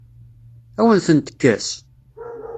Ad awen-ten-tekkes?